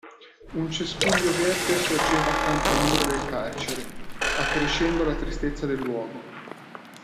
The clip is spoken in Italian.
Un cespuglio verde sorgeva accanto al muro del carcere, accrescendo la tristezza del luogo.